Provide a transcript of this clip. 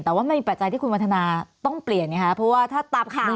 แต่ว่ามันมีปัจจัยที่คุณวันทนาต้องเปลี่ยนไงคะเพราะว่าถ้าตามข่าว